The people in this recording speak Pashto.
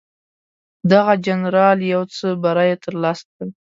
دغه جنرال یو څه بری ترلاسه کړ.